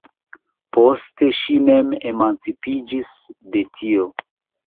Poste ŝi mem emancipiĝis de tio.